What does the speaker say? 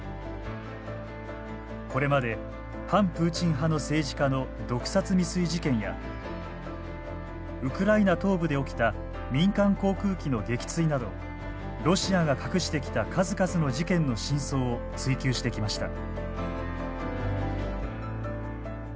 これまで反プーチン派の政治家の毒殺未遂事件やウクライナ東部で起きた民間航空機の撃墜などロシアが隠してきた数々の事件の真相を追求してきました。